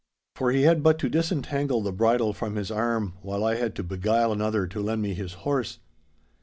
For he had but to disentangle the bridle from his arm, while I had to beguile another to lend me his horse.